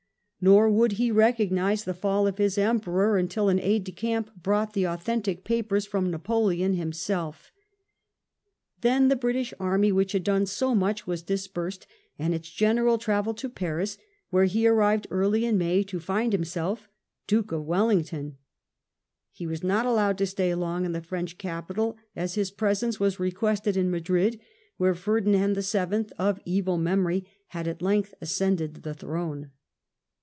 Nor would he recognise the fall of his Emperor nntfl an aide^e^amp bron^t the aothentic papers from Xapoleon himiieli Then the British army which had done so much was dispersed^ and its General travelled to Paris, where he arrived early in May to find himself Duke of Wellington. He was not allowed to stay long in the French capital, as his presence was requested in Madrid, where Ferdinand the Seventh of evil memory had at length ascended the throne.